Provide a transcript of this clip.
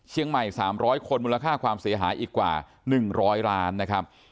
๓๐๐คนมูลค่าความเสียหายอีกกว่า๑๐๐ล้านนะครับ